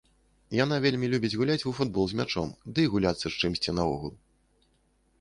Яна вельмі любіць гуляць у футбол з мячом, ды і гуляцца з чымсьці наогул.